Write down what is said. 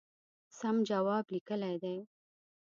سم جواب لیکلی دی.